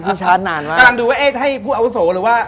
กำลังดูว่าเอ๊ยให้ผู้เอาโสหรือว่า